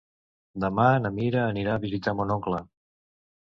Demà na Mira anirà a visitar mon oncle.